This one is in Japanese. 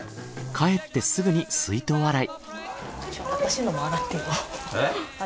帰ってすぐに水筒洗い。